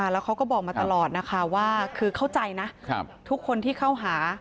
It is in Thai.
แล้วเขาก็บอกมาตลอดนะคะว่าคือเข้าใจนะทุกคนที่เข้าหา